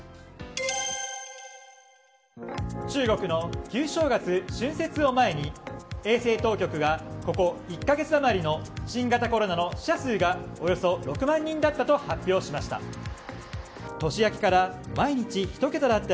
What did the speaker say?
中国の旧正月、春節を前に衛生当局がここ１か月余りの新型コロナの死者数がおよそ６万人だったと発表しました。